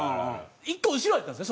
１個後ろやったんですね